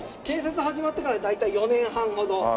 建設始まってから大体４年半ほど。